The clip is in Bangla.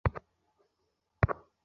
আমি দুঃখিত, কিনাই।